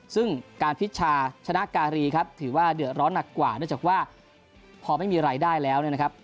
ซึ่งการพิชชาชนะการีครับถือว่าเดือดร้อนหนักกว่าเนื่องจากว่าพอไม่มีรายได้แล้วเนี่ยนะครับ